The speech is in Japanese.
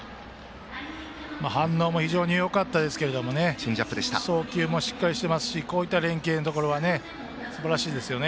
反応も非常によかったですけど送球もしっかりしていますしこういった連係もすばらしいですね。